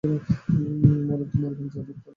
মরেন, তো মরিবেন যাদব, তার কী আসিয়া যায়?